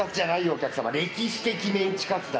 お客様歴史的メンチカツだ